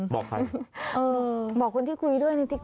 บอกใครบอกคนที่คุยด้วยนิดนึง